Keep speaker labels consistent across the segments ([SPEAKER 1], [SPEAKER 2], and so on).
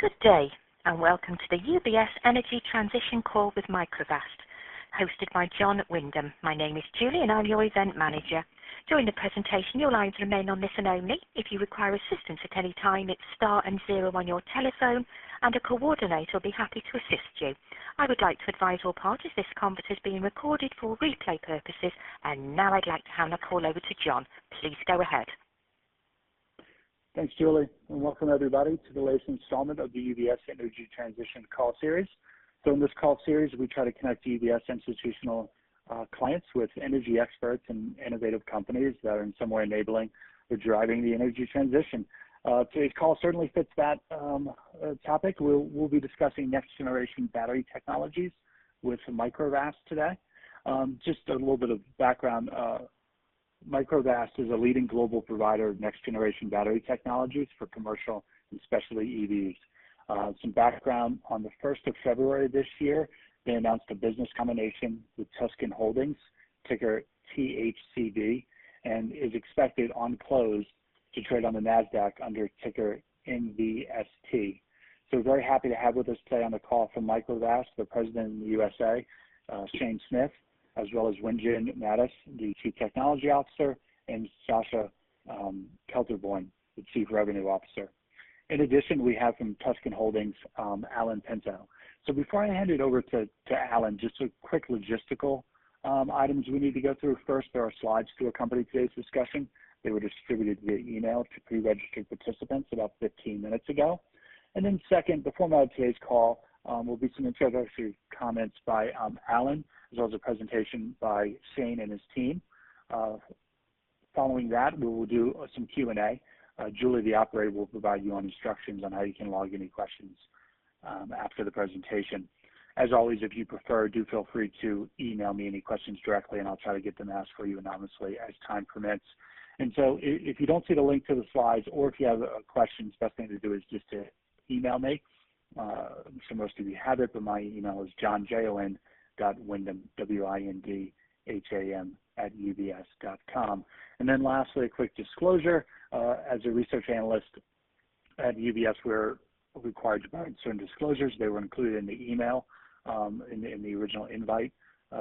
[SPEAKER 1] Good day, and welcome to the UBS Energy Transition call with Microvast, hosted by Jon Windham. My name is Julie, and I'm your event manager. Now I'd like to hand the call over to Jon. Please go ahead.
[SPEAKER 2] Thanks, Julie, and welcome everybody to the latest installment of the UBS Energy Transition call series. In this call series, we try to connect UBS institutional clients with energy experts and innovative companies that are in some way enabling or driving the energy transition. Today's call certainly fits that topic. We will be discussing next-generation battery technologies with Microvast today. Just a little bit of background. Microvast is a leading global provider of next-generation battery technologies for commercial and especially EVs. Some background, on the 1st of February this year, they announced a business combination with Tuscan Holdings, ticker THCB, and is expected on close to trade on the NASDAQ under ticker MVST. We are very happy to have with us today on the call from Microvast, the President in the U.S.A., Shane Smith, as well as Wenjuan Mattis, the Chief Technology Officer, and Sascha Kelterborn, the Chief Revenue Officer. In addition, we have from Tuscan Holdings, Alan Pinto. Before I hand it over to Alan, just some quick logistical items we need to go through. First, there are slides to accompany today's discussion. They were distributed via email to pre-registered participants about 15 minutes ago. Second, the format of today's call will be some introductory comments by Alan, as well as a presentation by Shane and his team. Following that, we will do some Q&A. Julie, the operator, will provide you on instructions on how you can log any questions after the presentation. As always, if you prefer, do feel free to email me any questions directly, and I'll try to get them asked for you anonymously as time permits. If you don't see the link to the slides or if you have a question, best thing to do is just to email me. Some of us do have it, but my email is jonj.windham@ubs.com. Lastly, a quick disclosure. As a research analyst at UBS, we're required to provide certain disclosures. They were included in the email, in the original invite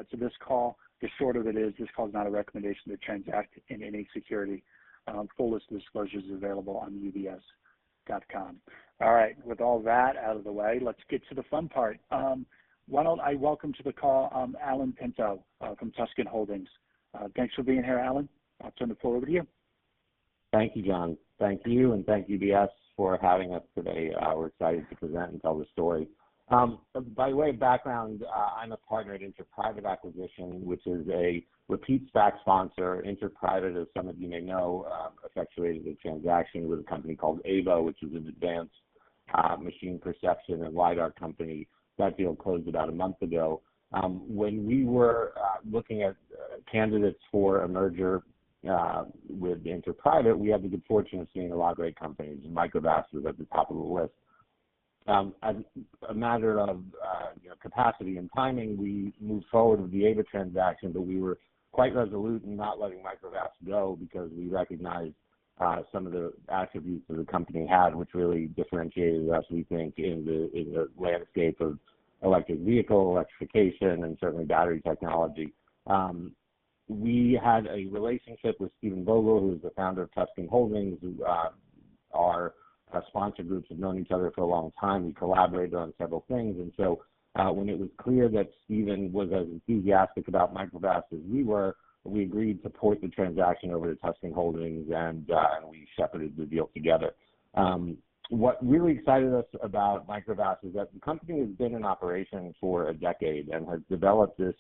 [SPEAKER 2] to this call. The short of it is, this call is not a recommendation to transact in any security. Full list of disclosures available on ubs.com. All right. With all that out of the way, let's get to the fun part. Why don't I welcome to the call Alan Pinto from Tuscan Holdings. Thanks for being here, Alan. I'll turn the floor over to you.
[SPEAKER 3] Thank you, Jon. Thank you, and thank UBS for having us today. We are excited to present and tell the story. By way of background, I'm a partner at InterPrivate Acquisition, which is a repeat SPAC sponsor. InterPrivate, as some of you may know, effectuated a transaction with a company called Aeva, which is an advanced machine perception and LiDAR company. That deal closed about a month ago. When we were looking at candidates for a merger with InterPrivate, we had the good fortune of seeing a lot of great companies, and Microvast was at the top of the list. As a matter of capacity and timing, we moved forward with the Aeva transaction, but we were quite resolute in not letting Microvast go because we recognized some of the attributes that the company had, which really differentiated us, we think, in the landscape of electric vehicle electrification and certainly battery technology. We had a relationship with Stephen Vogel, who is the founder of Tuscan Holdings. Our sponsor groups have known each other for a long time. We collaborated on several things. When it was clear that Stephen was as enthusiastic about Microvast as we were, we agreed to port the transaction over to Tuscan Holdings, and we shepherded the deal together. What really excited us about Microvast is that the company has been in operation for a decade and has developed this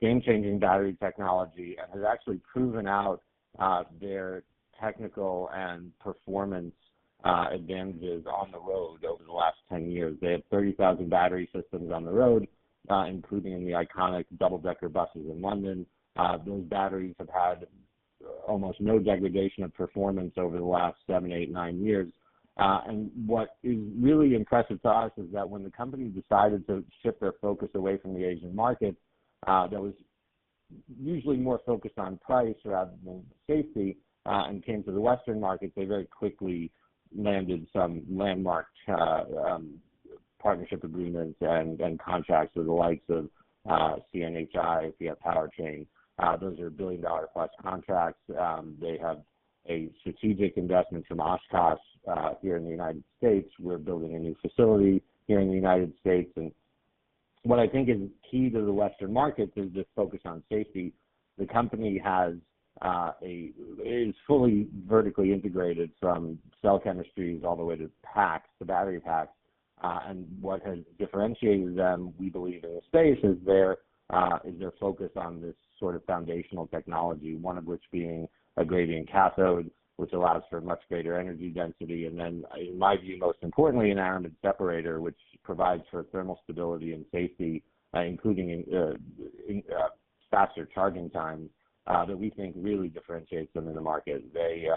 [SPEAKER 3] game-changing battery technology and has actually proven out their technical and performance advantages on the road over the last 10 years. They have 30,000 battery systems on the road, including in the iconic double-decker buses in London. Those batteries have had almost no degradation of performance over the last seven, eight, nine years. What is really impressive to us is that when the company decided to shift their focus away from the Asian market, that was usually more focused on price rather than safety, and came to the Western market, they very quickly landed some landmark partnership agreements and contracts with the likes of CNHI, via PowerChain. Those are billion-dollar-plus contracts. They have a strategic investment from Oshkosh here in the U.S. We're building a new facility here in the U.S. What I think is key to the Western market is this focus on safety. The company is fully vertically integrated from cell chemistries all the way to packs, the battery packs. What has differentiated them, we believe, in the space is their focus on this sort of foundational technology, one of which being a gradient cathode, which allows for much greater energy density, and then in my view, most importantly, an aramid separator, which provides for thermal stability and safety, including faster charging times, that we think really differentiates them in the market. They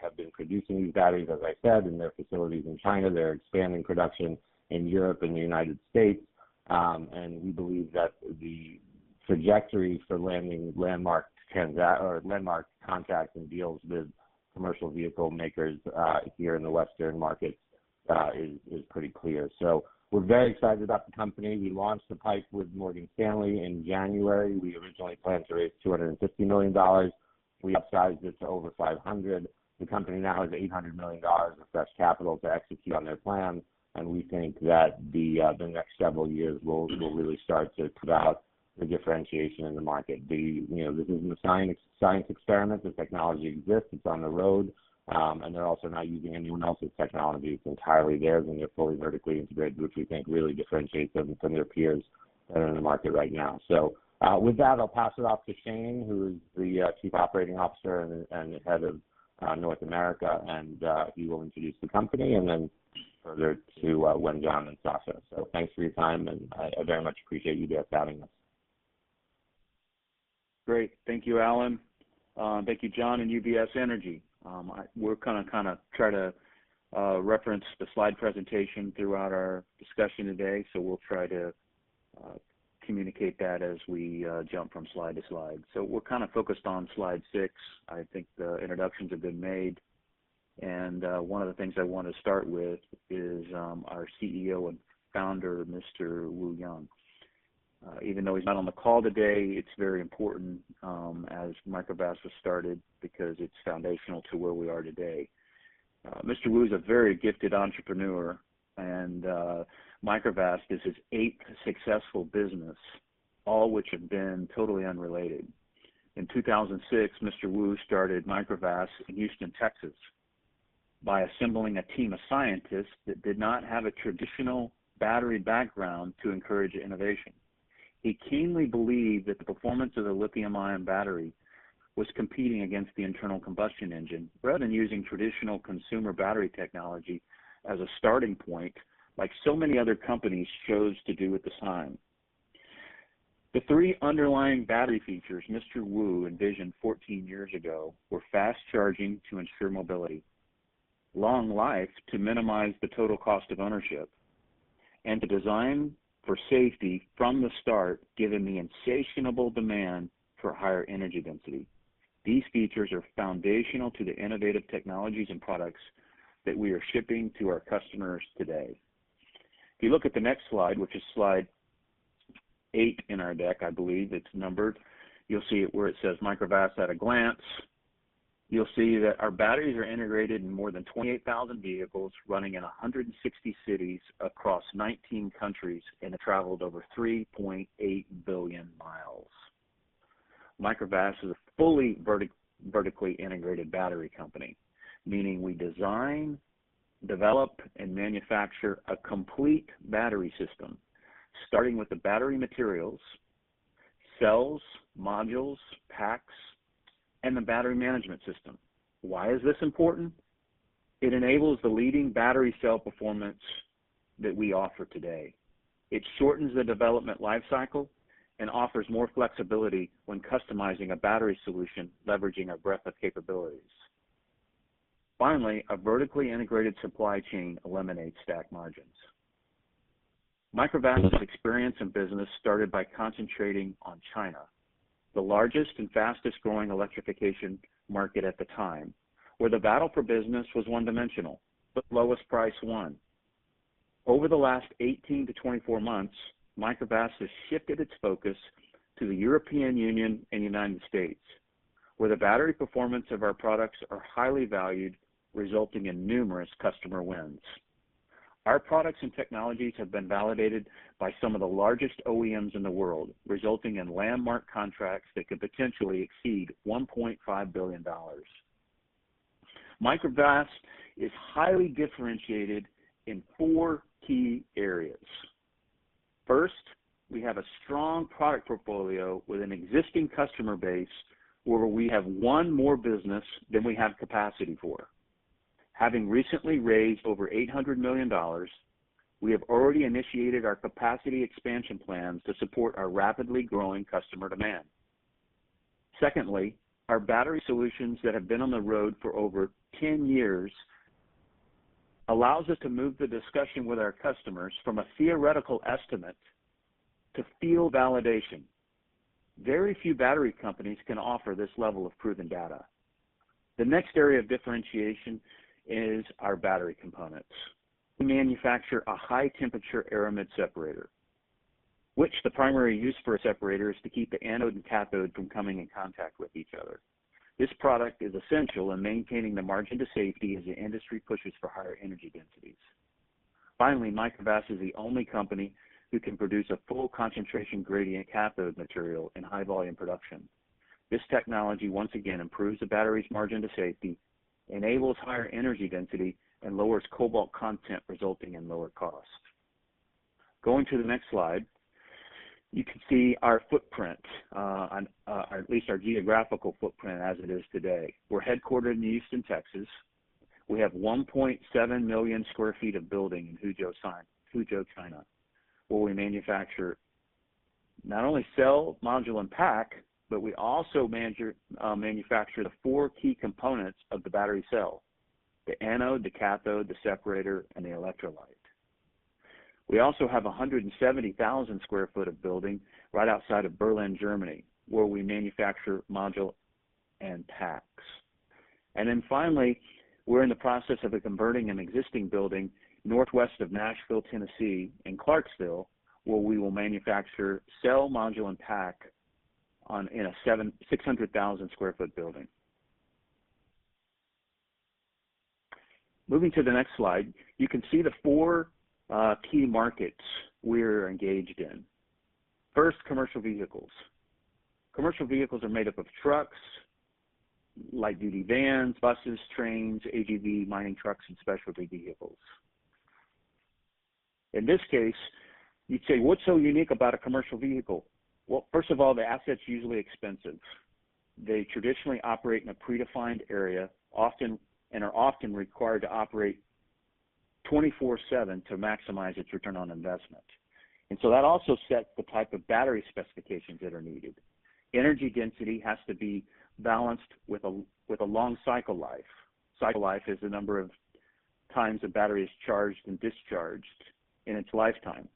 [SPEAKER 3] have been producing these batteries, as I said, in their facilities in China. They're expanding production in Europe and the United States. We believe that trajectory for landing landmark contracts and deals with commercial vehicle makers, here in the Western market is pretty clear. We're very excited about the company. We launched the PIPE with Morgan Stanley in January. We originally planned to raise $250 million. We upsized it to over $500 million. The company now has $800 million of fresh capital to execute on their plans. We think that the next several years will really start to put out the differentiation in the market. This isn't a science experiment. The technology exists. It's on the road. They're also not using anyone else's technology. It's entirely theirs. They're fully vertically integrated, which we think really differentiates them from their peers that are in the market right now. With that, I'll pass it off to Shane Smith, who's the Chief Operating Officer and the head of North America, and he will introduce the company and then further to Wenjuan and Sascha. Thanks for your time, and I very much appreciate UBS having us.
[SPEAKER 4] Great. Thank you, Alan. Thank you, Jon and UBS Energy. We're going to try to reference the slide presentation throughout our discussion today, so we'll try to communicate that as we jump from slide to slide. We're focused on slide six. I think the introductions have been made. One of the things I want to start with is our CEO and Founder, Yang Wu. Even though he's not on the call today, it's very important, as Microvast was started because it's foundational to where we are today. Wu is a very gifted entrepreneur, and Microvast is his eighth successful business, all which have been totally unrelated. In 2006, Wu started Microvast in Houston, Texas, by assembling a team of scientists that did not have a traditional battery background to encourage innovation. He keenly believed that the performance of the lithium-ion battery was competing against the internal combustion engine, rather than using traditional consumer battery technology as a starting point, like so many other companies chose to do at the time. The three underlying battery features Mr. Wu envisioned 14 years ago were fast charging to ensure mobility, long life to minimize the total cost of ownership, and to design for safety from the start, given the insatiable demand for higher energy density. These features are foundational to the innovative technologies and products that we are shipping to our customers today. If you look at the next slide, which is slide eight in our deck, I believe it's numbered, you'll see it where it says Microvast at a glance. You'll see that our batteries are integrated in more than 28,000 vehicles, running in 160 cities across 19 countries and have traveled over 3.8 billion mi. Microvast is a fully vertically integrated battery company, meaning we design, develop, and manufacture a complete battery system, starting with the battery materials, cells, modules, packs, and the battery management system. Why is this important? It enables the leading battery cell performance that we offer today. It shortens the development life cycle and offers more flexibility when customizing a battery solution, leveraging our breadth of capabilities. Finally, a vertically integrated supply chain eliminates stack margins. Microvast's experience in business started by concentrating on China, the largest and fastest growing electrification market at the time, where the battle for business was one-dimensional. The lowest price won. Over the last 18 to 24 months, Microvast has shifted its focus to the European Union and U.S., where the battery performance of our products are highly valued, resulting in numerous customer wins. Our products and technologies have been validated by some of the largest OEMs in the world, resulting in landmark contracts that could potentially exceed $1.5 billion. Microvast is highly differentiated in four key areas. We have a strong product portfolio with an existing customer base where we have won more business than we have capacity for. Having recently raised over $800 million, we have already initiated our capacity expansion plans to support our rapidly growing customer demand. Our battery solutions that have been on the road for over 10 years allows us to move the discussion with our customers from a theoretical estimate to field validation. Very few battery companies can offer this level of proven data. The next area of differentiation is our battery components. We manufacture a high-temperature aramid separator, which the primary use for a separator is to keep the anode and cathode from coming in contact with each other. This product is essential in maintaining the margin to safety as the industry pushes for higher energy densities. Finally, Microvast is the only company who can produce a full concentration gradient cathode material in high volume production. This technology once again improves the battery's margin to safety, enables higher energy density, and lowers cobalt content, resulting in lower cost. Going to the next slide, you can see our footprint, at least our geographical footprint as it is today. We're headquartered in Houston, Texas. We have 1.7 million square feet of building in Huzhou, China, where we manufacture not only cell, module, and pack, but we also manufacture the four key components of the battery cell: the anode, the cathode, the separator, and the electrolyte. We also have 170,000 sq ft of building right outside of Berlin, Germany, where we manufacture module and packs. Finally, we're in the process of converting an existing building northwest of Nashville, Tennessee, in Clarksville, where we will manufacture cell module and pack in a 600,000 sq ft building. Moving to the next slide, you can see the four key markets we're engaged in. First, commercial vehicles. Commercial vehicles are made up of trucks, light-duty vans, buses, trains, AGV, mining trucks, and specialty vehicles. In this case, you'd say, "What's so unique about a commercial vehicle?" Well, first of all, the asset's usually expensive. They traditionally operate in a predefined area, and are often required to operate 24/7 to maximize its return on investment. That also sets the type of battery specifications that are needed. Energy density has to be balanced with a long cycle life. Cycle life is the number of times a battery is charged and discharged in its lifetime.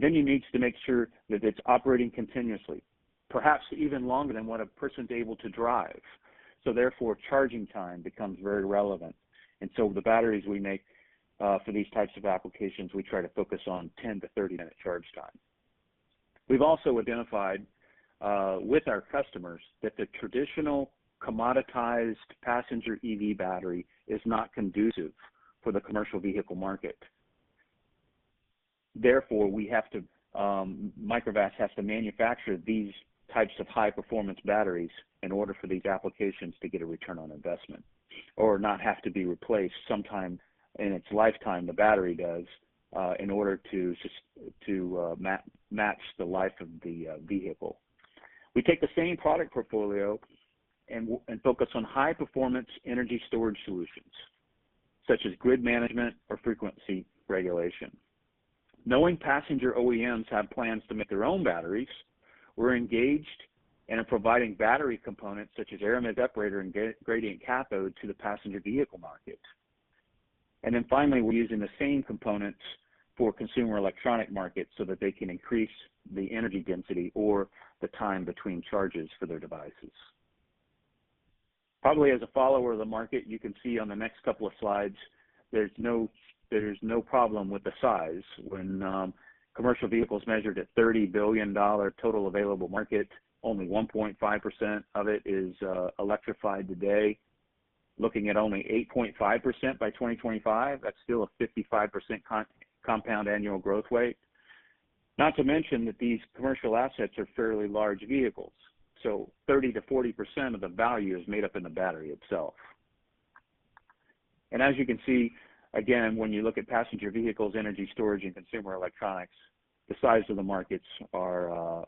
[SPEAKER 4] Then he needs to make sure that it's operating continuously, perhaps even longer than what a person's able to drive. Therefore, charging time becomes very relevant. The batteries we make for these types of applications, we try to focus on 10-30-minute charge time. We've also identified, with our customers, that the traditional commoditized passenger EV battery is not conducive for the commercial vehicle market. Microvast has to manufacture these types of high-performance batteries in order for these applications to get a return on investment or not have to be replaced sometime in its lifetime, the battery does, in order to match the life of the vehicle. We take the same product portfolio and focus on high-performance energy storage solutions, such as grid management or frequency regulation. Knowing passenger OEMs have plans to make their own batteries, we're engaged and are providing battery components such as aramid separator and gradient cathode to the passenger vehicle market. Finally, we're using the same components for consumer electronic markets so that they can increase the energy density or the time between charges for their devices. Probably as a follower of the market, you can see on the next couple of slides, there's no problem with the size when commercial vehicles measured at $30 billion total available market, only 1.5% of it is electrified today. Looking at only 8.5% by 2025, that's still a 55% compound annual growth rate. Not to mention that these commercial assets are fairly large vehicles, so 30%-40% of the value is made up in the battery itself. As you can see, again, when you look at passenger vehicles, energy storage, and consumer electronics, the size of the markets are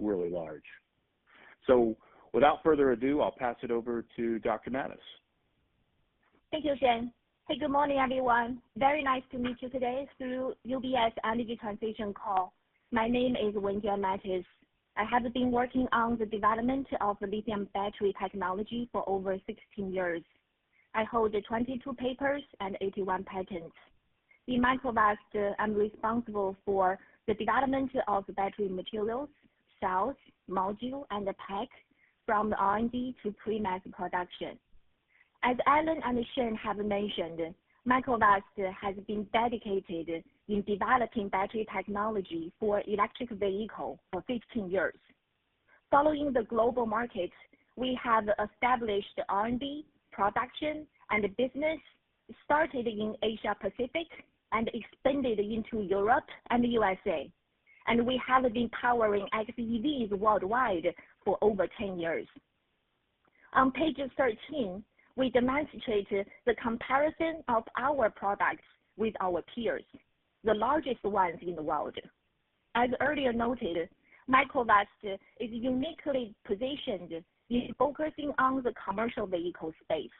[SPEAKER 4] really large. Without further ado, I'll pass it over to Dr. Mattis.
[SPEAKER 5] Thank you, Shane. Hey, good morning, everyone. Very nice to meet you today through UBS Energy Transition call. My name is Wenjuan Mattis. I have been working on the development of lithium battery technology for over 16 years. I hold 22 papers and 81 patents. In Microvast, I am responsible for the development of battery materials, cells, module, and the pack from the R&D to pre-mass production. As Alan and Shane have mentioned, Microvast has been dedicated in developing battery technology for electric vehicle for 15 years. Following the global markets, we have established R&D, production, and business, started in Asia Pacific and expanded into Europe and the USA. We have been powering xEVs worldwide for over 10 years. On page 13, we demonstrate the comparison of our products with our peers, the largest ones in the world. As earlier noted, Microvast is uniquely positioned in focusing on the commercial vehicle space,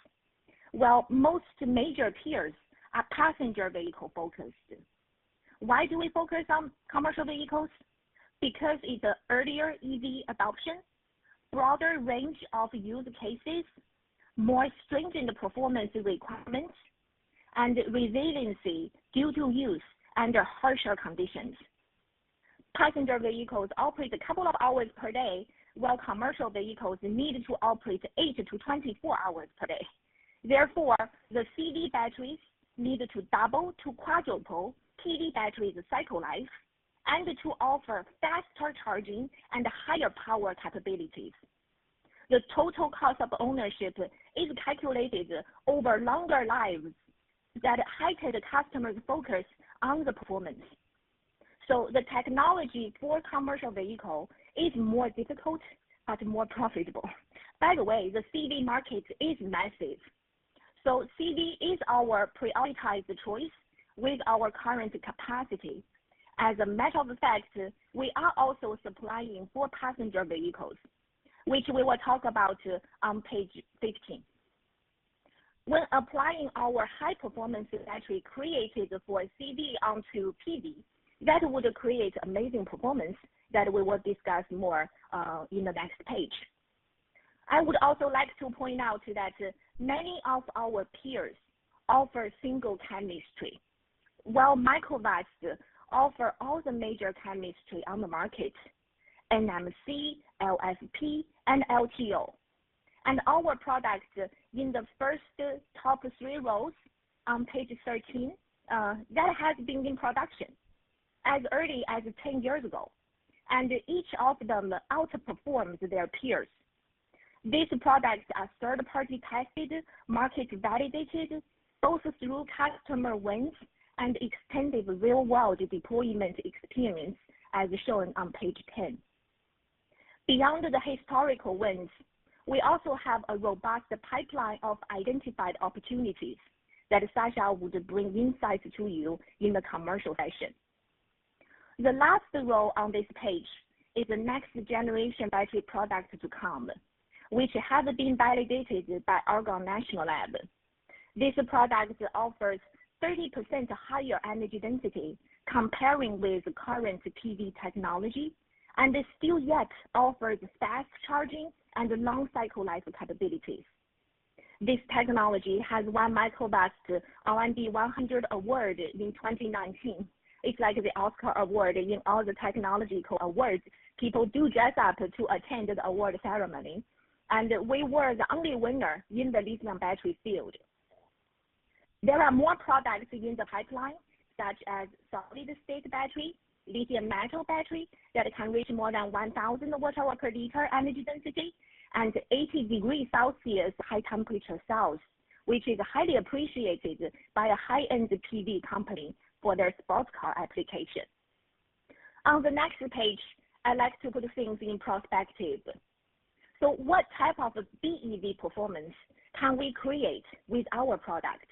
[SPEAKER 5] while most major peers are passenger vehicle-focused. Why do we focus on commercial vehicles? Because it's a earlier EV adoption, broader range of use cases, more stringent performance requirements, and resiliency due to use under harsher conditions. Passenger vehicles operate a couple of hours per day, while commercial vehicles need to operate 8 to 24 hours per day. The CV batteries need to double to quadruple PV batteries' cycle life and to offer faster charging and higher power capabilities. The total cost of ownership is calculated over longer lives that heighten the customer's focus on the performance. The technology for commercial vehicle is more difficult but more profitable. By the way, the CV market is massive. CV is our prioritized choice with our current capacity. As a matter of fact, we are also supplying for passenger vehicles, which we will talk about on page 15. When applying our high-performance battery created for CV onto PV, that would create amazing performance that we will discuss more in the next page. I would also like to point out that many of our peers offer single chemistry, while Microvast offer all the major chemistry on the market, NMC, LFP, and LTO. Our products in the first top three rows on page 13, that have been in production as early as 10 years ago. Each of them outperforms their peers. These products are third-party tested, market-validated, both through customer wins and extensive real-world deployment experience, as shown on page 10. Beyond the historical wins, we also have a robust pipeline of identified opportunities that Sascha would bring insights to you in the commercial session. The last row on this page is the next generation battery product to come, which has been validated by Argonne National Laboratory. This product offers 30% higher energy density comparing with current PEV technology, it still yet offers fast charging and long cycle life capabilities. This technology has won Microvast R&D 100 Award in 2019. It's like the Oscar Award in all the technology awards. People do dress up to attend the award ceremony. We were the only winner in the lithium battery field. There are more products in the pipeline, such as solid-state battery, lithium-metal battery that can reach more than 1,000 Wh/L energy density, and 80 degrees Celsius high-temperature cells, which is highly appreciated by a high-end PEV company for their sports car application. On the next page, I'd like to put things in perspective. What type of BEV performance can we create with our product?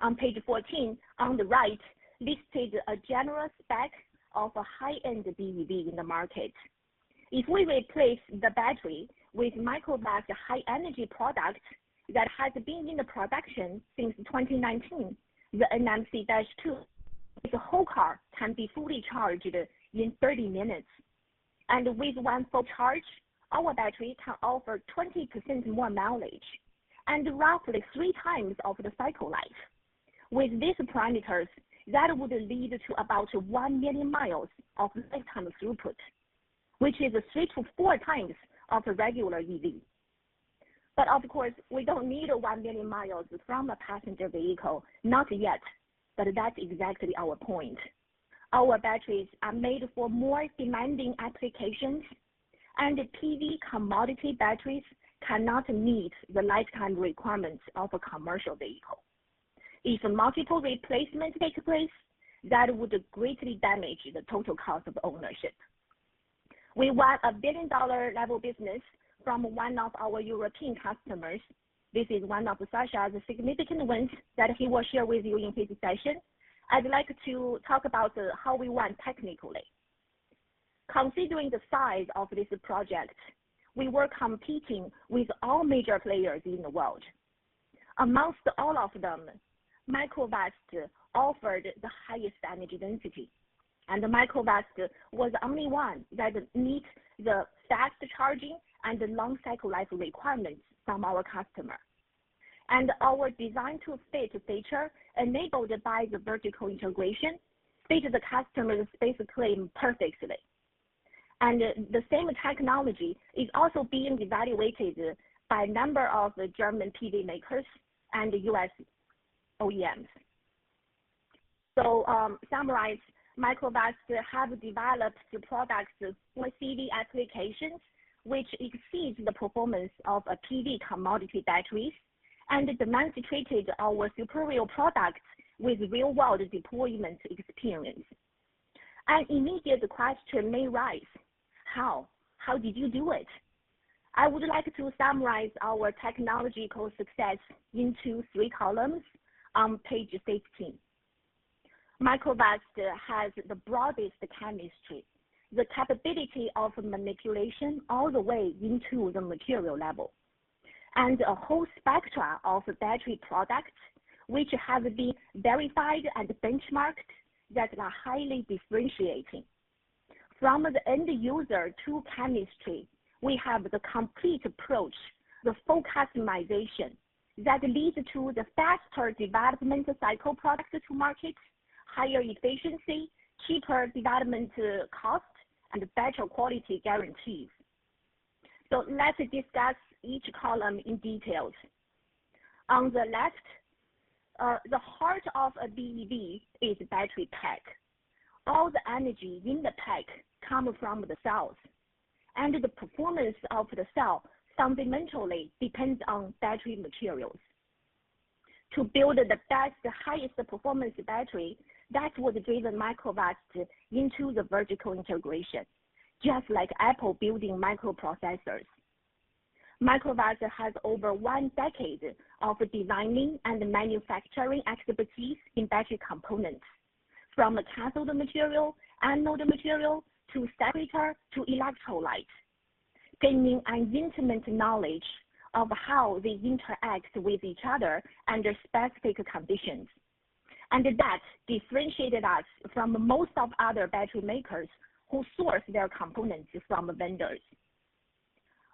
[SPEAKER 5] On page 14, on the right, listed a general spec of a high-end BEV in the market. If we replace the battery with Microvast high-energy product that has been in the production since 2019, the NMC-2, the whole car can be fully charged in 30 minutes. With one full charge, our battery can offer 20% more mileage and roughly three times of the cycle life. With these parameters, that would lead to about 1 million mi of lifetime throughput, which is three to four times of a regular EV. Of course, we don't need 1 million mi from a passenger vehicle. Not yet. That's exactly our point. Our batteries are made for more demanding applications, and PEV commodity batteries cannot meet the lifetime requirements of a commercial vehicle. If multiple replacements take place, that would greatly damage the total cost of ownership. We won a billion-dollar level business from one of our European customers. This is one of Sascha's significant wins that he will share with you in his session. I'd like to talk about how we won technically. Considering the size of this project, we were competing with all major players in the world. Amongst all of them, Microvast offered the highest energy density, and Microvast was the only one that meet the fast charging and the long cycle life requirements from our customer. Our design-to-fit feature enabled by the vertical integration fit the customer's spec claim perfectly. The same technology is also being evaluated by a number of German PEV makers and the U.S. OEMs. To summarize, Microvast have developed products for PEV applications which exceeds the performance of a PEV commodity batteries and demonstrated our superior product with real-world deployment experience. An immediate question may arise, "How? How did you do it?" I would like to summarize our technological success into three columns on page 15. Microvast has the broadest chemistry, the capability of manipulation all the way into the material level, and a whole spectrum of battery products which have been verified and benchmarked that are highly differentiating. From the end user to chemistry, we have the complete approach, the full customization that leads to the faster development cycle products to market, higher efficiency, cheaper development cost, and better quality guarantees. Let's discuss each column in detail. On the left, the heart of a BEV is battery pack. All the energy in the pack come from the cells. The performance of the cell fundamentally depends on battery materials. To build the best, highest performance battery, that's what driven Microvast into the vertical integration, just like Apple building microprocessors. Microvast has over one decade of designing and manufacturing expertise in battery components, from cathode material, anode material, to separator, to electrolyte, gaining an intimate knowledge of how they interact with each other under specific conditions. That differentiated us from most of other battery makers who source their components from vendors.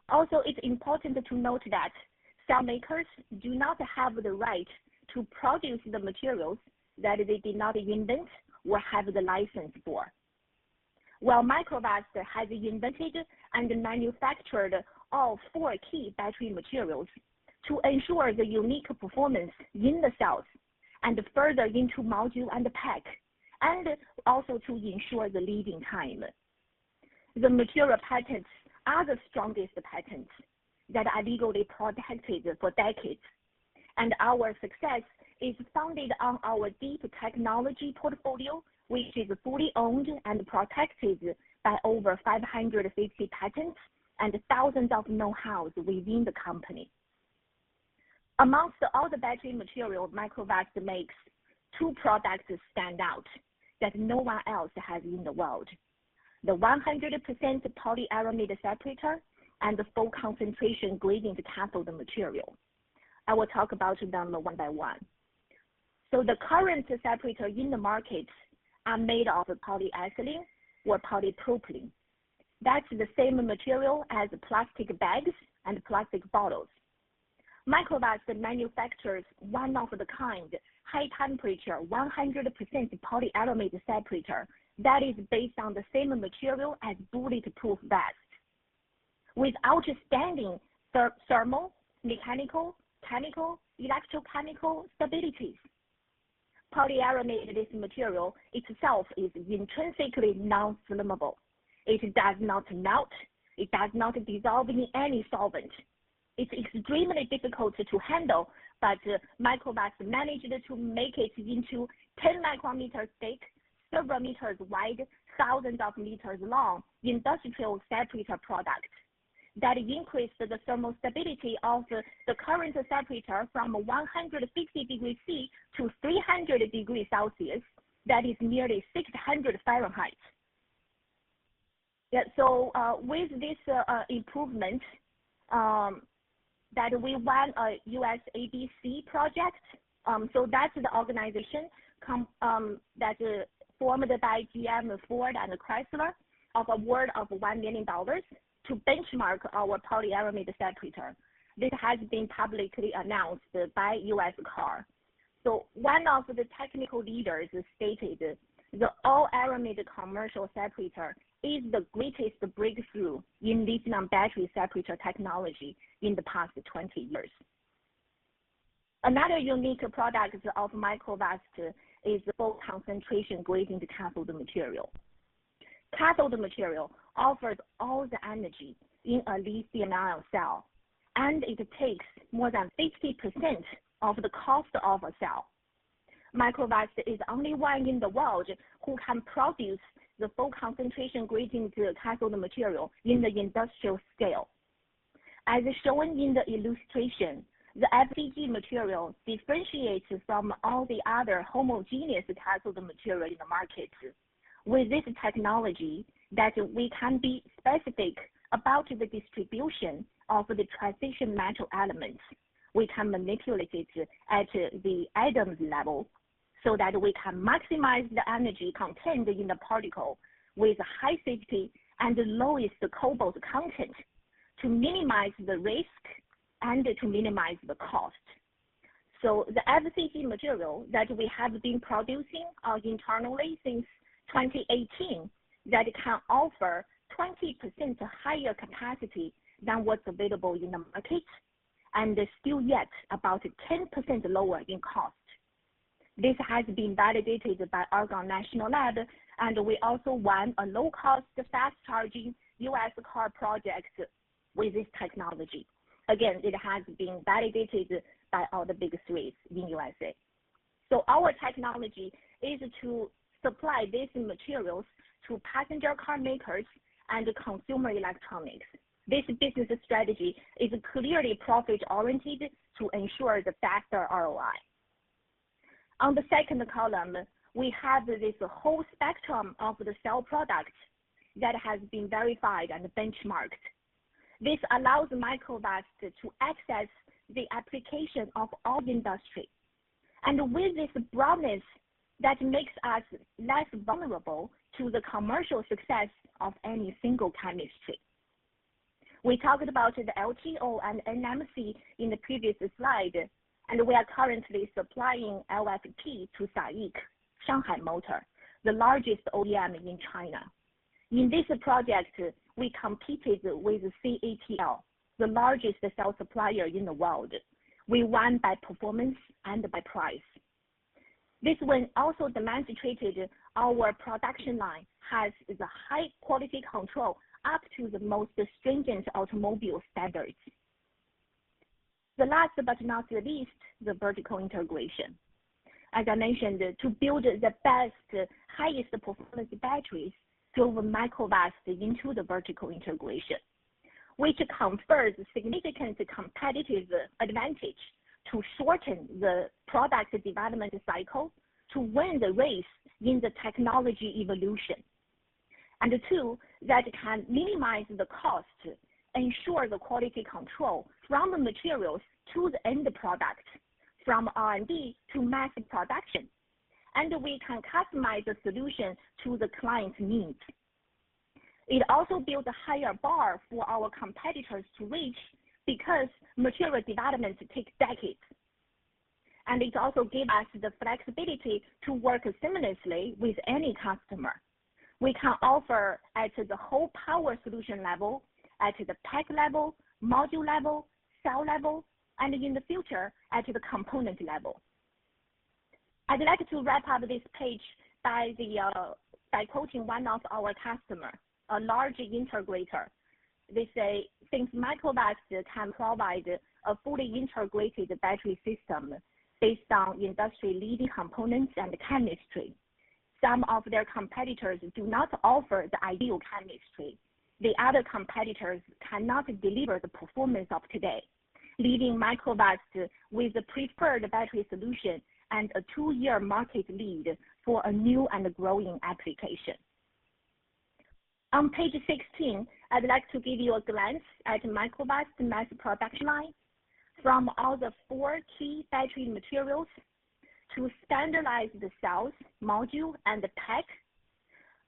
[SPEAKER 5] Also, it's important to note that cell makers do not have the right to produce the materials that they did not invent or have the license for. While Microvast has invented and manufactured all four key battery materials to ensure the unique performance in the cells and further into module and pack, also to ensure the leading time. The material patents are the strongest patents that are legally protected for decades, our success is founded on our deep technology portfolio, which is fully owned and protected by over 550 patents and thousands of knowhows within the company. Amongst all the battery material Microvast makes, two products stand out that no one else has in the world. The 100% polyaramid separator and the full concentration gradient cathode material. I will talk about them one by one. The current separator in the market are made of polyethylene or polypropylene. That's the same material as plastic bags and plastic bottles. Microvast manufactures one of the kind, high-temperature, 100% polyaramid separator that is based on the same material as bulletproof vest, with outstanding thermal, mechanical, chemical, electrochemical stabilities. Polyaramid as material itself is intrinsically non-flammable. It does not melt, it does not dissolve in any solvent. It's extremely difficult to handle, but Microvast managed to make it into 10 micrometers thick, several meters wide, thousands of meters long industrial separator product that increase the thermal stability of the current separator from 150 degrees Celsius to 300 degrees Celsius. That is nearly 600 degrees Fahrenheit. With this improvement, that we won a USABC project. That's the organization formed by GM, Ford, and Chrysler of award of $1 million to benchmark our polyaramid separator. This has been publicly announced by USCAR. One of the technical leaders stated, "The all-aramid commercial separator is the greatest breakthrough in lithium battery separator technology in the past 20 years." Another unique product of Microvast is full concentration gradient cathode material. Cathode material offers all the energy in a lithium-ion cell, and it takes more than 50% of the cost of a cell. Microvast is only one in the world who can produce the full concentration gradient cathode material in the industrial scale. As shown in the illustration, the FCG material differentiates from all the other homogeneous cathode material in the market. With this technology that we can be specific about the distribution of the transition metal elements, we can manipulate it at the atomic level so that we can maximize the energy contained in the particle with high safety and the lowest cobalt content to minimize the risk and to minimize the cost. The FCG material that we have been producing internally since 2018, that can offer 20% higher capacity than what's available in the market, and still yet, about 10% lower in cost. This has been validated by Argonne National Lab, and we also won a low-cost fast-charging USCAR project with this technology. Again, it has been validated by all the big three in U.S.A. Our technology is to supply these materials to passenger car makers and consumer electronics. This business strategy is clearly profit-oriented to ensure the faster ROI. On the second column, we have this whole spectrum of the cell product that has been verified and benchmarked. This allows Microvast to access the application of all industry. With this broadness, that makes us less vulnerable to the commercial success of any single chemistry. We talked about the LTO and NMC in the previous slide, and we are currently supplying LFP to SAIC Shanghai Motor, the largest OEM in China. In this project, we competed with CATL, the largest cell supplier in the world. We won by performance and by price. This one also demonstrated our production line has the high quality control up to the most stringent automobile standards. The last but not the least, the vertical integration. As I mentioned, to build the best, highest performance batteries drove Microvast into the vertical integration, which confers significant competitive advantage to shorten the product development cycle to win the race in the technology evolution. Two, that can minimize the cost, ensure the quality control from the materials to the end product, from R&D to mass production, and we can customize the solution to the client's needs. It also builds a higher bar for our competitors to reach, because material development takes decades. It also gives us the flexibility to work seamlessly with any customer. We can offer at the whole power solution level, at the pack level, module level, cell level, and in the future, at the component level. I'd like to wrap up this page by quoting one of our customer, a large integrator. They say, since Microvast can provide a fully integrated battery system based on industry-leading components and chemistry, some of their competitors do not offer the ideal chemistry. The other competitors cannot deliver the performance of today, leaving Microvast with the preferred battery solution and a two-year market lead for a new and growing application. On page 16, I'd like to give you a glance at Microvast mass production line. From all the four key battery materials to standardize the cells, module, and the pack.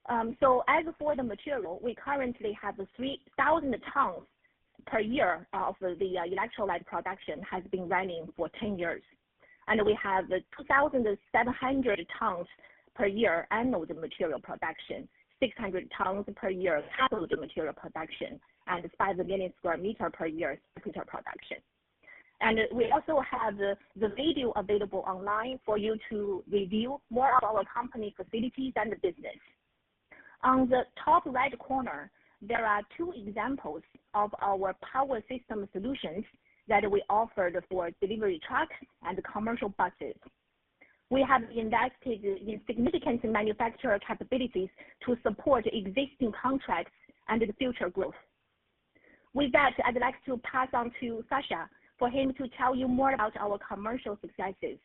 [SPEAKER 5] As for the material, we currently have 3,000 tons per year of the electrolyte production, has been running for 10 years, and we have 2,700 tons per year anode material production, 600 tons per year cathode material production, and 5 million square meter per year separator production. We also have the video available online for you to review more of our company facilities and the business. On the top right corner, there are two examples of our power system solutions that we offered for delivery trucks and commercial buses. We have invested in significant manufacturer capabilities to support existing contracts and the future growth. With that, I'd like to pass on to Sascha for him to tell you more about our commercial successes.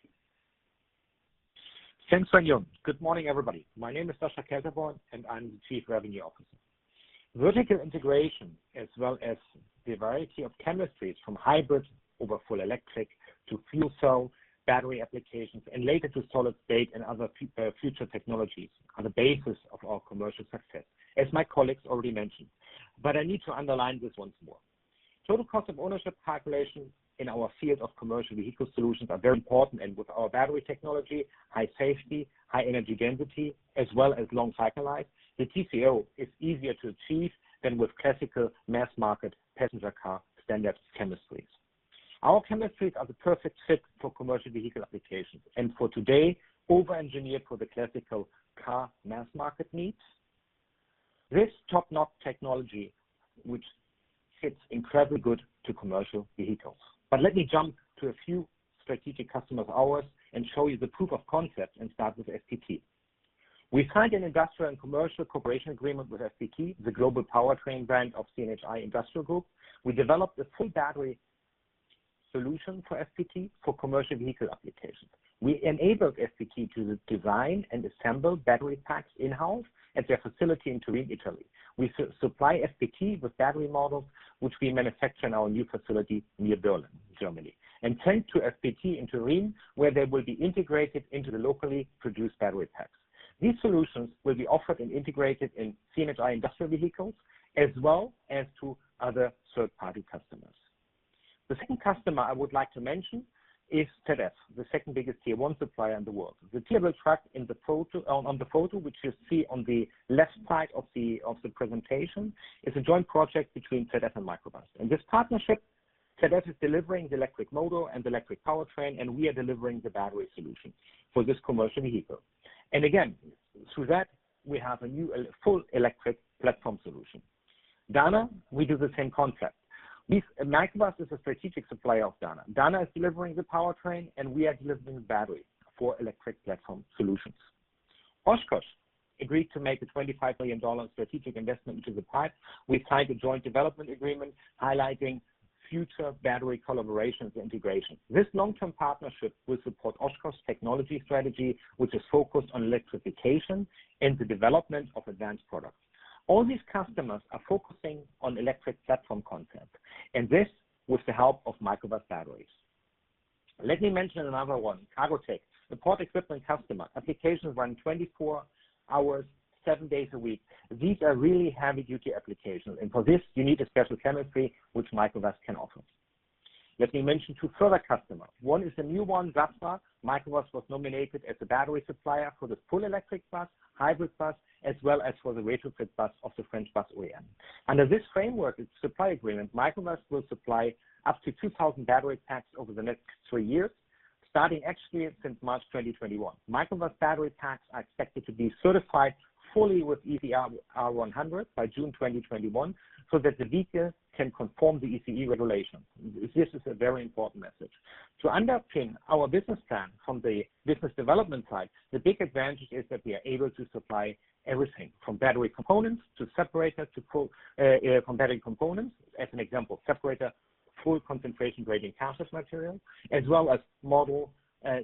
[SPEAKER 6] Thanks, Wenjuan. Good morning, everybody. My name is Sascha Kelterborn, and I'm the Chief Revenue Officer. Vertical integration, as well as the variety of chemistries from hybrid over full-electric to fuel cell battery applications, and later to solid-state and other future technologies, are the basis of our commercial success, as my colleagues already mentioned. I need to underline this once more. Total cost of ownership calculation in our field of commercial vehicle solutions are very important, and with our battery technology, high safety, high energy density, as well as long cycle life, the TCO is easier to achieve than with classical mass-market passenger car standard chemistries. Our chemistries are the perfect fit for commercial vehicle applications, and for today, over-engineered for the classical car mass-market needs. This top-notch technology, which fits incredibly good to commercial vehicles. Let me jump to a few strategic customers of ours and show you the proof of concept, and start with FPT. We signed an industrial and commercial cooperation agreement with FPT, the global powertrain brand of CNH Industrial Group. We developed a full battery solution for FPT for commercial vehicle applications. We enabled FPT to design and assemble battery packs in-house at their facility in Turin, Italy. We supply FPT with battery models, which we manufacture in our new facility near Berlin, Germany, and sent to FPT in Turin, where they will be integrated into the locally produced battery packs. These solutions will be offered and integrated in CNH Industrial vehicles, as well as to other third-party customers. The second customer I would like to mention is TEDiF, the second biggest Tier 1 supplier in the world. The T level truck on the photo, which you see on the left side of the presentation, is a joint project between TEDiF and Microvast. In this partnership, TEDiF is delivering the electric motor and electric powertrain, and we are delivering the battery solution for this commercial vehicle. Again, through that, we have a new full electric platform solution. Dana, we do the same concept. Microvast is a strategic supplier of Dana. Dana is delivering the powertrain, and we are delivering the battery for electric platform solutions. Oshkosh agreed to make a $25 million strategic investment into the PIPE. We've signed a joint development agreement highlighting future battery collaborations integration. This long-term partnership will support Oshkosh technology strategy, which is focused on electrification and the development of advanced products. All these customers are focusing on electric platform concept, and this with the help of Microvast batteries. Let me mention another one, Cargotec. The port equipment customer. Applications run 24 hours, seven days a week. These are really heavy-duty applications, and for this, you need a special chemistry, which Microvast can offer. Let me mention two further customers. One is a new one, Heuliez Bus. Microvast was nominated as the battery supplier for the full electric bus, hybrid bus, as well as for the retrofit bus of the French bus OEM. Under this framework supply agreement, Microvast will supply up to 2,000 battery packs over the next three years, starting actually since March 2021. Microvast battery packs are expected to be certified fully with ECE R100 by June 2021, so that the vehicle can conform the ECE regulation. This is a very important message. To underpin our business plan from the business development side, the big advantage is that we are able to supply everything from battery components to separator to combating components. As an example, separator, full concentration gradient cathode material, as well as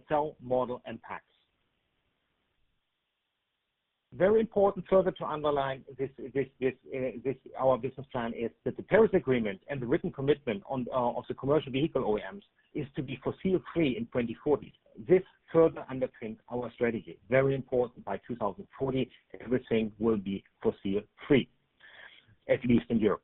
[SPEAKER 6] cell model and packs. Very important further to underline our business plan is that the Paris Agreement and the written commitment of the commercial vehicle OEMs is to be fossil fuel-free in 2040. This further underpins our strategy. Very important, by 2040, everything will be fossil fuel-free, at least in Europe.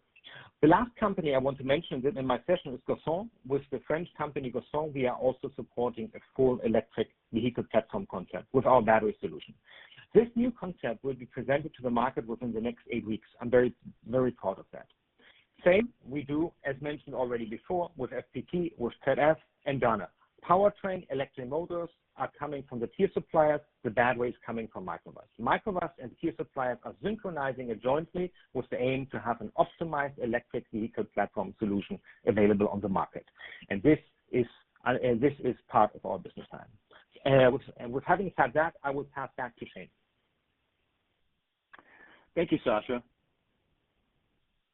[SPEAKER 6] The last company I want to mention within my session is Gaussin. With the French company, Gaussin, we are also supporting a full electric vehicle platform concept with our battery solution. This new concept will be presented to the market within the next eight weeks. I'm very proud of that. Same we do, as mentioned already before, with FPT, with ZF, and Dana. Powertrain electric motors are coming from the tier suppliers, the battery is coming from Microvast. Microvast and tier suppliers are synchronizing it jointly with the aim to have an optimized electric vehicle platform solution available on the market. This is part of our business plan. With having said that, I will pass back to Shane.
[SPEAKER 4] Thank you, Sascha.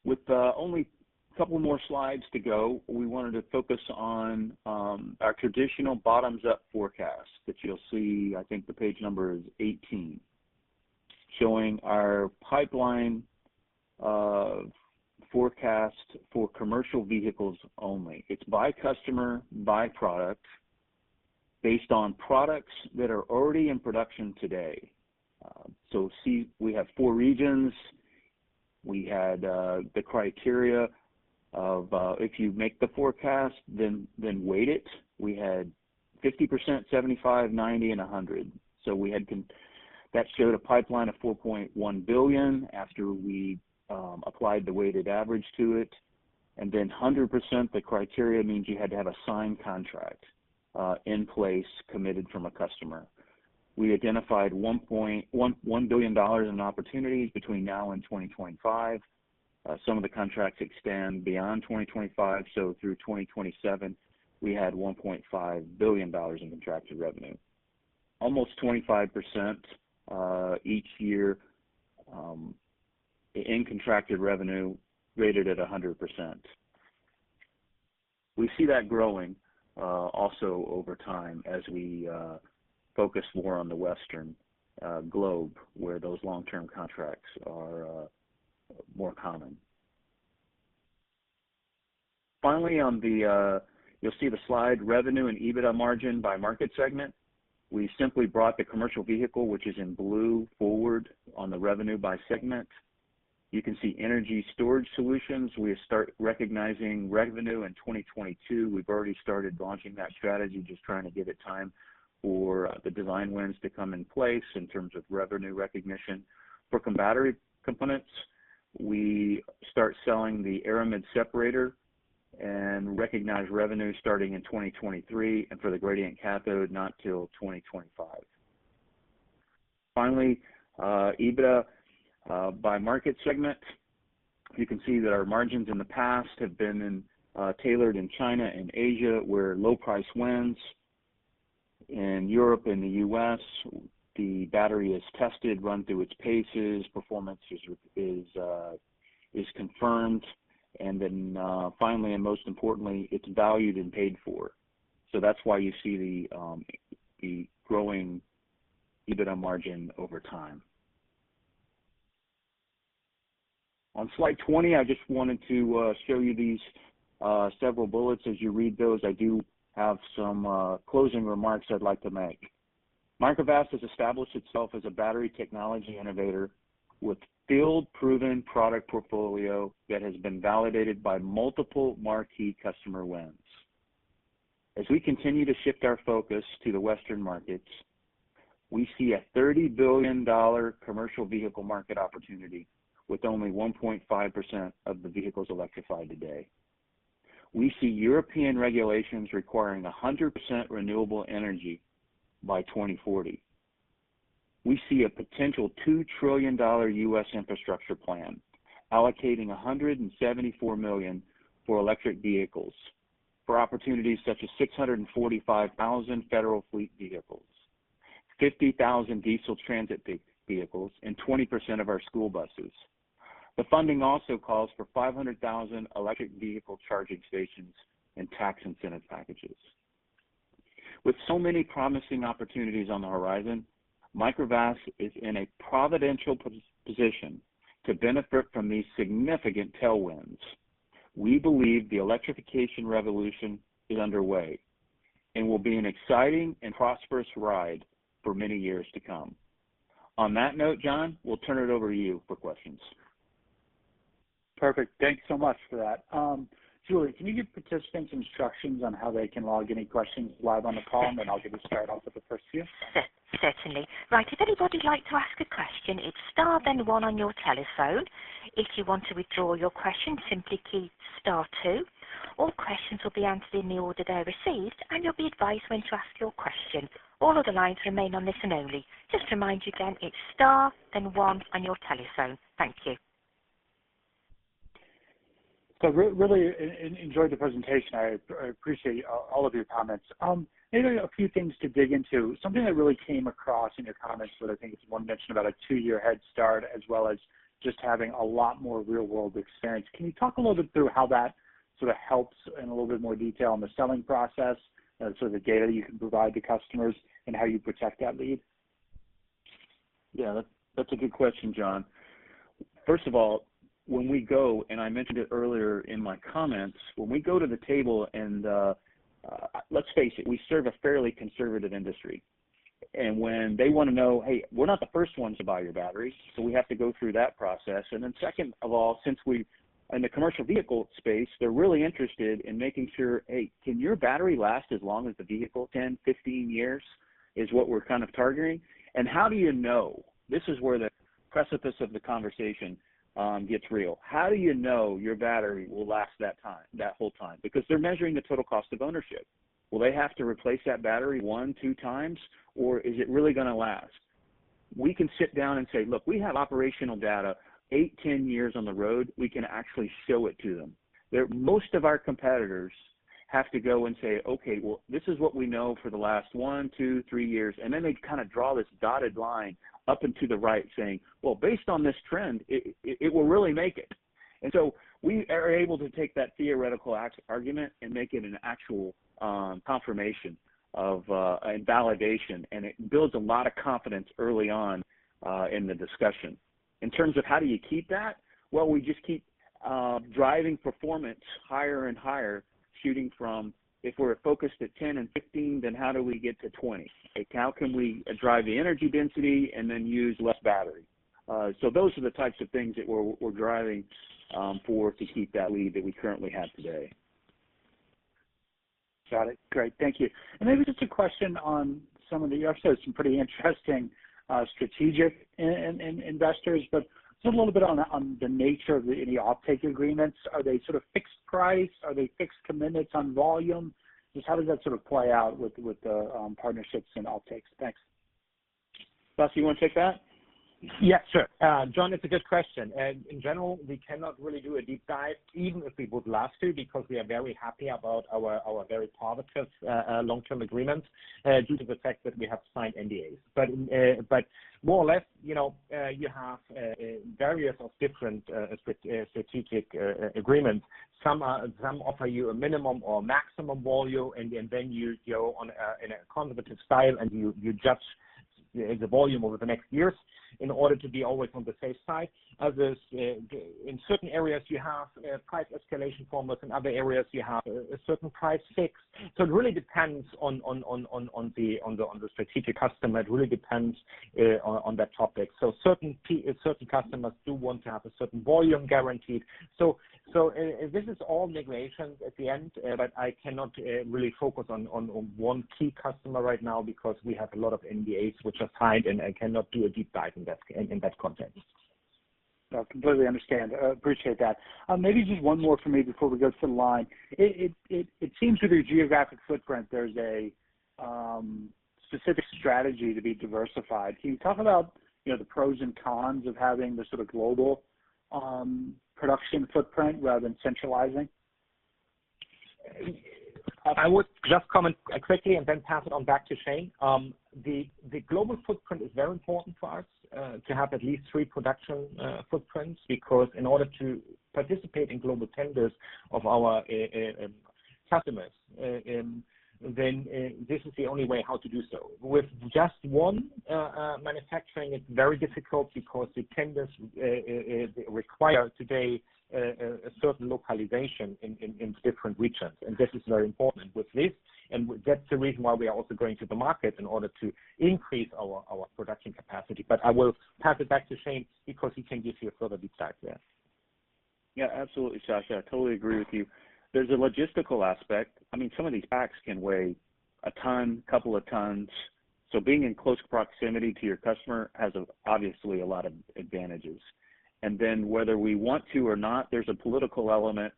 [SPEAKER 4] With only a couple more slides to go, we wanted to focus on our traditional bottoms-up forecast that you'll see, I think the page number is 18, showing our pipeline forecast for commercial vehicles only. It's by customer, by product, based on products that are already in production today. See, we have four regions. We had the criteria of, if you make the forecast, then weight it. We had 50%, 75%, 90%, and 100%. That showed a pipeline of $4.1 billion after we applied the weighted average to it. 100%, the criteria means you had to have a signed contract in place, committed from a customer. We identified $1 billion in opportunities between now and 2025. Some of the contracts extend beyond 2025, so through 2027, we had $1.5 billion in contracted revenue. Almost 25% each year in contracted revenue rated at 100%. We see that growing also over time as we focus more on the Western globe, where those long-term contracts are more common. You'll see the slide Revenue and EBITDA Margin by Market Segment. We simply brought the commercial vehicle, which is in blue, forward on the revenue by segment. You can see energy storage solutions. We start recognizing revenue in 2022. We've already started launching that strategy, just trying to give it time for the design wins to come in place in terms of revenue recognition. Battery components, we start selling the aramid separator and recognize revenue starting in 2023, and for the gradient cathode, not till 2025. EBITDA by market segment. You can see that our margins in the past have been tailored in China and Asia, where low price wins. In Europe and the U.S., the battery is tested, run through its paces, performance is confirmed, and then finally, and most importantly, it's valued and paid for. That's why you see the growing EBITDA margin over time. On slide 20, I just wanted to show you these several bullets. As you read those, I do have some closing remarks I'd like to make. Microvast has established itself as a battery technology innovator with field-proven product portfolio that has been validated by multiple marquee customer wins. As we continue to shift our focus to the Western markets, we see a $30 billion commercial vehicle market opportunity with only 1.5% of the vehicles electrified today. We see European regulations requiring 100% renewable energy by 2040. We see a potential $2 trillion U.S. infrastructure plan allocating $174 million for electric vehicles for opportunities such as 645,000 federal fleet vehicles, 50,000 diesel transit vehicles, and 20% of our school buses. The funding also calls for 500,000 electric vehicle charging stations and tax incentive packages. With so many promising opportunities on the horizon, Microvast is in a providential position to benefit from these significant tailwinds. We believe the electrification revolution is underway and will be an exciting and prosperous ride for many years to come. On that note, Jon, we'll turn it over to you for questions.
[SPEAKER 2] Perfect. Thanks so much for that. Julie, can you give participants instructions on how they can log any questions live on the call? I'll get us started off with the first few.
[SPEAKER 1] Certainly. Right. If anybody would like to ask a question, it's star then one on your telephone. If you want to withdraw your question, simply key star two. All questions will be answered in the order they are received, and you'll be advised when to ask your question. All other lines remain on listen-only. Just remind you again, it's star then one on your telephone. Thank you.
[SPEAKER 2] Really enjoyed the presentation. I appreciate all of your comments. Maybe a few things to dig into. Something that really came across in your comments that I think is one mention about a two-year head start, as well as just having a lot more real-world experience. Can you talk a little bit through how that sort of helps in a little bit more detail on the selling process, sort of the data you can provide to customers, and how you protect that lead?
[SPEAKER 4] Yeah, that's a good question, Jon. First of all, when we go, and I mentioned it earlier in my comments, when we go to the table and, let's face it, we serve a fairly conservative industry. When they want to know, hey, we're not the first ones to buy your battery, so we have to go through that process. Second of all, since we're in the commercial vehicle space, they're really interested in making sure, hey, can your battery last as long as the vehicle? 10, 15 years is what we're kind of targeting. How do you know? This is where the precipice of the conversation gets real. How do you know your battery will last that whole time? Because they're measuring the total cost of ownership. Will they have to replace that battery one, two times, or is it really going to last? We can sit down and say, look, we have operational data. Eight, 10 years on the road, we can actually show it to them. Most of our competitors have to go and say, "Okay, well, this is what we know for the last one, two, three years." They kind of draw this dotted line up and to the right, saying, "Well, based on this trend, it will really make it." We are able to take that theoretical argument and make it an actual confirmation and validation, and it builds a lot of confidence early on in the discussion. In terms of how do you keep that, well, we just keep driving performance higher and higher, shooting from, if we're focused at 10 and 15, then how do we get to 20? How can we drive the energy density and then use less battery? Those are the types of things that we're driving for to keep that lead that we currently have today.
[SPEAKER 2] Got it. Great. Thank you. Maybe just a question on you also have some pretty interesting strategic investors, but just a little bit on the nature of any offtake agreements. Are they sort of fixed price? Are they fixed commitments on volume? Just how does that sort of play out with the partnerships and offtakes? Thanks.
[SPEAKER 4] Sascha, you want to take that?
[SPEAKER 6] Yeah, sure. Jon, it's a good question. In general, we cannot really do a deep dive, even if we would love to, because we are very happy about our very positive long-term agreements due to the fact that we have signed NDAs. More or less, you have various of different strategic agreements. Some offer you a minimum or maximum volume, then you go in a conservative style, you judge the volume over the next years in order to be always on the safe side. Others, in certain areas, you have price escalation formulas. In other areas, you have a certain price fixed. It really depends on the strategic customer. It really depends on that topic. Certain customers do want to have a certain volume guaranteed. This is all negotiations at the end, but I cannot really focus on one key customer right now because we have a lot of NDAs which are signed, and I cannot do a deep dive in that context.
[SPEAKER 2] No, completely understand. Appreciate that. Maybe just one more for me before we go to the line. It seems with your geographic footprint, there's a specific strategy to be diversified. Can you talk about the pros and cons of having this sort of global production footprint rather than centralizing?
[SPEAKER 6] I would just comment quickly and then pass it on back to Shane. The global footprint is very important for us to have at least three production footprints because in order to participate in global tenders of our customers, then this is the only way how to do so. With just one manufacturing, it's very difficult because the tenders require today a certain localization in different regions, and this is very important with this. That's the reason why we are also going to the market in order to increase our production capacity. I will pass it back to Shane because he can give you a further deep dive there.
[SPEAKER 4] Yeah, absolutely, Sascha. I totally agree with you. There's a logistical aspect. Some of these packs can weigh a ton, a couple of tons. Being in close proximity to your customer has obviously a lot of advantages. Whether we want to or not, there's a political element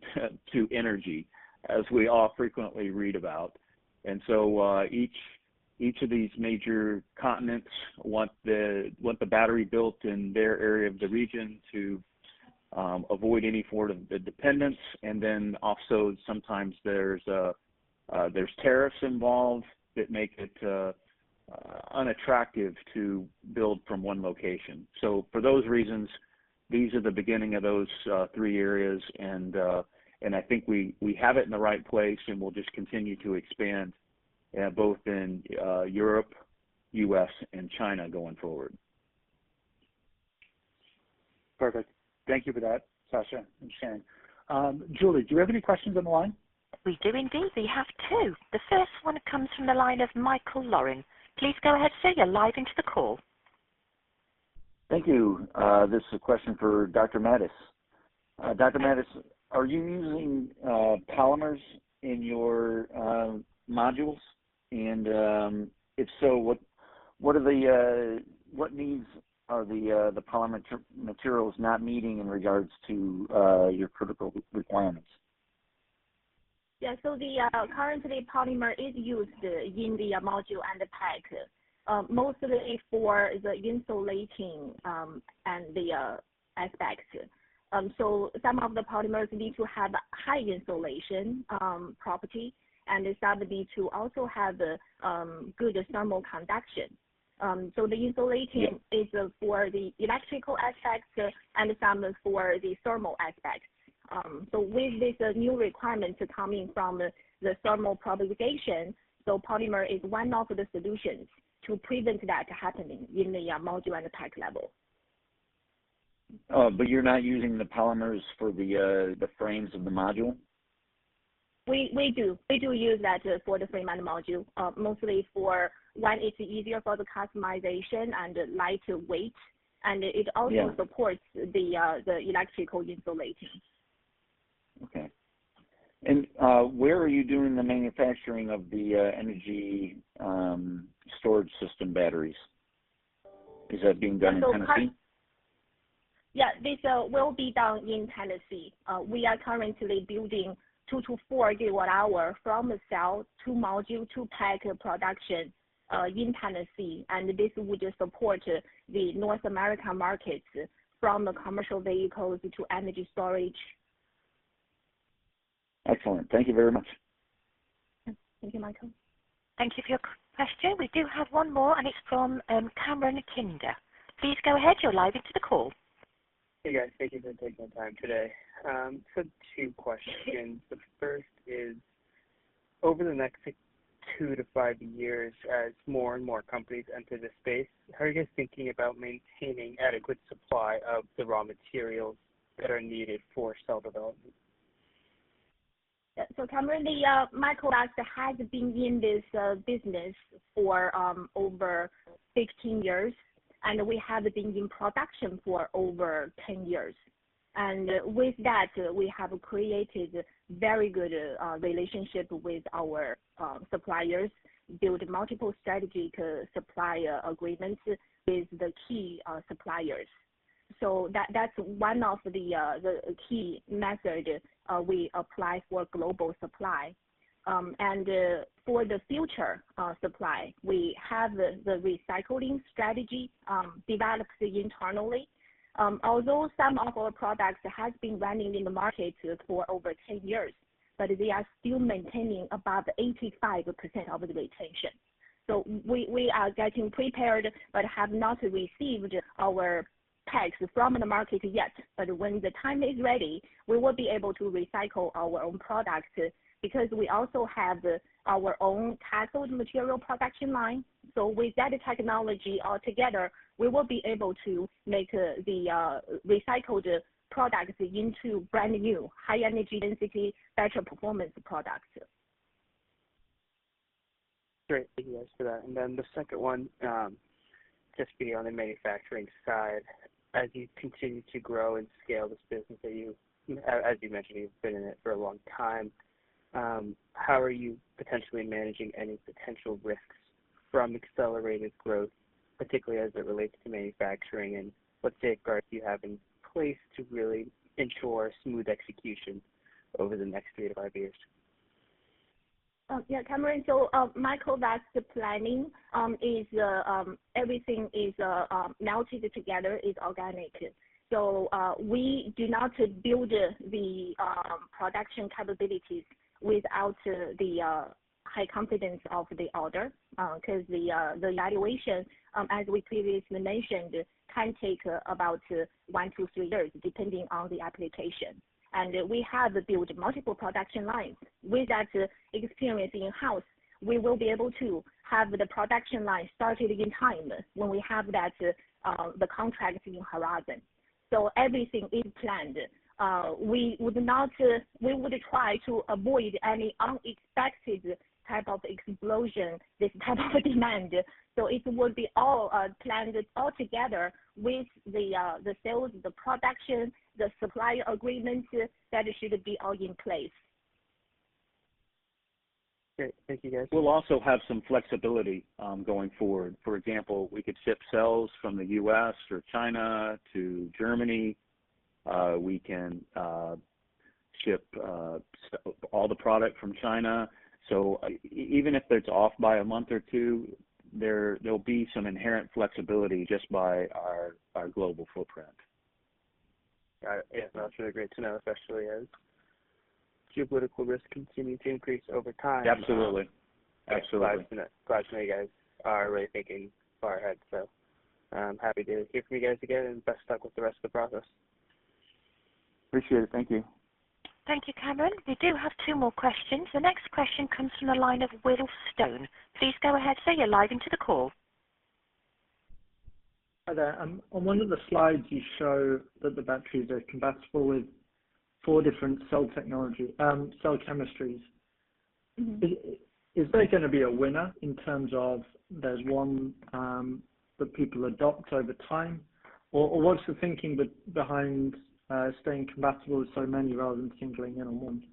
[SPEAKER 4] to energy, as we all frequently read about. Each of these major continents want the battery built in their area of the region to avoid any form of dependence. Also sometimes there's tariffs involved that make it unattractive to build from one location. For those reasons, these are the beginning of those three areas, and I think we have it in the right place, and we'll just continue to expand both in Europe, U.S., and China going forward.
[SPEAKER 2] Perfect. Thank you for that, Sascha and Shane. Julie, do you have any questions on the line?
[SPEAKER 1] We do indeed. We have two. The first one comes from the line of [Michael Lorenz]. Please go ahead. Sir, you're live into the call.
[SPEAKER 7] Thank you. This is a question for Dr. Mattis. Dr. Mattis, are you using polymers in your modules? If so, what needs are the polymer materials not meeting in regards to your critical requirements?
[SPEAKER 5] Currently, polymer is used in the module and the pack. Mostly for the insulating and the aspects. Some of the polymers need to have high insulation property, and they start to need to also have good thermal conduction so the insulating is for the electrical aspects and some for the thermal aspects. With this new requirement coming from the thermal propagation, so polymer is one of the solutions to prevent that happening in the module and the pack level.
[SPEAKER 7] Oh, you're not using the polymers for the frames of the module?
[SPEAKER 5] We do. We do use that for the frame and the module. Mostly for one, it's easier for the customization and lighter weight, and it also-
[SPEAKER 7] Yeah
[SPEAKER 4] supports the electrical insulation.
[SPEAKER 7] Okay. Where are you doing the manufacturing of the energy storage system batteries? Is that being done in Tennessee?
[SPEAKER 5] Yeah, this will be done in Tennessee. We are currently building 2-4 GWh from a cell to module to pack production in Tennessee. This would support the North American markets from commercial vehicles to energy storage.
[SPEAKER 7] Excellent. Thank you very much.
[SPEAKER 5] Thank you, Michael.
[SPEAKER 1] Thank you for your question. We do have one more, and it's from [Cameron Kindar]. Please go ahead. You're live into the call.
[SPEAKER 8] Hey, guys. Thank you for taking the time today. Two questions. The first is, over the next two to five years, as more and more companies enter this space, how are you guys thinking about maintaining adequate supply of the raw materials that are needed for cell development?
[SPEAKER 5] Cameron, Microvast has been in this business for over 15 years. We have been in production for over 10 years. With that, we have created very good relationship with our suppliers, build multiple strategy to supply agreements with the key suppliers. That's one of the key methods we apply for global supply. For the future supply, we have the recycling strategy developed internally. Although some of our products have been running in the market for over 10 years, but they are still maintaining above 85% of the retention. We are getting prepared but have not received our packs from the market yet. When the time is ready, we will be able to recycle our own products because we also have our own cathode material production line. With that technology altogether, we will be able to make the recycled products into brand-new, high energy density, better performance products.
[SPEAKER 8] Great. Thank you guys for that. The second one, just be on the manufacturing side. As you continue to grow and scale this business that you, as you mentioned, you've been in it for a long time, how are you potentially managing any potential risks from accelerated growth, particularly as it relates to manufacturing? What safeguards do you have in place to really ensure smooth execution over the next three to five years?
[SPEAKER 5] Cameron. Microvast planning is everything is melted together, is organic. We do not build the production capabilities without the high confidence of the order, because the evaluation, as we previously mentioned, can take about one to three years, depending on the application. We have built multiple production lines. With that experience in-house, we will be able to have the production line started in time when we have the contract in horizon. Everything is planned. We would try to avoid any unexpected type of explosion, this type of demand. It will be all planned all together with the sales, the production, the supply agreements that should be all in place.
[SPEAKER 8] Great. Thank you, guys.
[SPEAKER 4] We'll also have some flexibility going forward. For example, we could ship cells from the U.S. or China to Germany. We can ship all the product from China. Even if it's off by a month or two, there'll be some inherent flexibility just by our global footprint.
[SPEAKER 8] Got it. That's really great to know, especially as geopolitical risks continue to increase over time.
[SPEAKER 4] Absolutely.
[SPEAKER 8] Glad to know you guys are already thinking far ahead. I'm happy to hear from you guys again, and best of luck with the rest of the progress.
[SPEAKER 4] Appreciate it. Thank you.
[SPEAKER 1] Thank you, Cameron. We do have two more questions. The next question comes from the line of [Will Stone]. Please go ahead. You're live into the call.
[SPEAKER 9] Hi there. On one of the slides, you show that the batteries are compatible with four different cell technologies, cell chemistries. Is there going to be a winner in terms of there's one that people adopt over time? What's the thinking behind staying compatible with so many rather than singling in on one?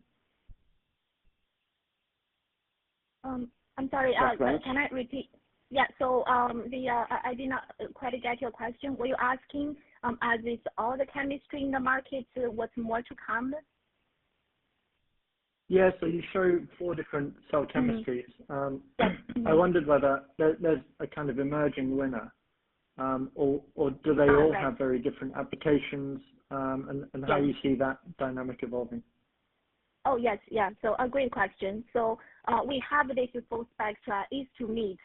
[SPEAKER 5] I'm sorry.
[SPEAKER 9] That's all right.
[SPEAKER 5] Can I repeat? Yeah. I did not quite get your question. Were you asking as it's all the chemistry in the market, what's more to come?
[SPEAKER 9] Yes. You show four different cell chemistries.
[SPEAKER 5] Mm-hmm. Yeah.
[SPEAKER 9] I wondered whether there's a kind of emerging winner, or do they all-
[SPEAKER 5] Correct
[SPEAKER 9] have very different applications, and how you see that dynamic evolving.
[SPEAKER 5] Oh, yes. Yeah. A great question. We have these four specs, each to meet